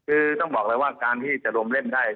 อืม